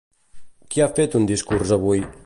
Qui ha fet un discurs avui?